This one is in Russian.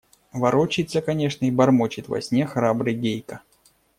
Ворочается, конечно, и бормочет во сне храбрый Гейка.